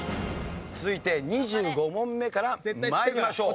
続いて２５問目から参りましょう。